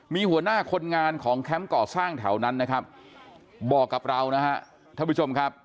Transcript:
มีหัวหน้าคนงานของแคมป์ก่อสร้างแถวนั้นนะครับบอกกับเรานะฮะท่านผู้ชมครับ